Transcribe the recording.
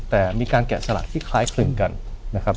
แต่มีการแกะสลักที่คล้ายคลึงกันนะครับ